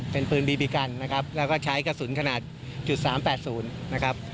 เป็นปืนบีบีกันนะครับแล้วก็ใช้กระสุนขนาด๓๘๐นะครับ